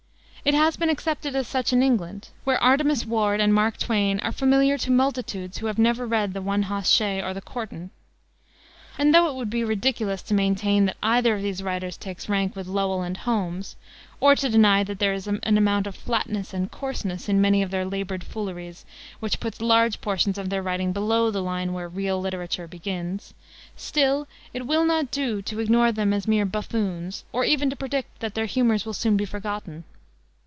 It has been accepted as such in England, where Artemus Ward and Mark Twain are familiar to multitudes who have never read the One Hoss Shay or the Courtin'. And though it would be ridiculous to maintain that either of these writers takes rank with Lowell and Holmes, or to deny that there is an amount of flatness and coarseness in many of their labored fooleries which puts large portions of their writings below the line where real literature begins, still it will not do to ignore them as mere buffoons, or even to predict that their humors will soon be forgotten.